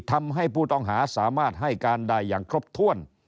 ทำให้ผู้ต้องหาสามารถให้การได้อย่างครบถ้วน